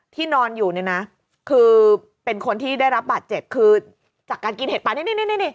นอนอยู่เนี่ยนะคือเป็นคนที่ได้รับบาดเจ็บคือจากการกินเห็ดปลานี่นี่